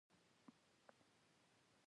باز د انسان لپاره یو مهم مرغه ګڼل کېږي